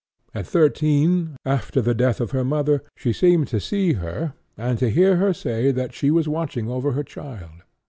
At thirteen, after the death of her mother, she seemed to see her, and to hear her say that she was watching over her child.